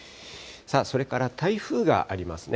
それから台風がありますね。